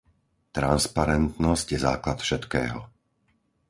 Transparentnosť je základ všetkého.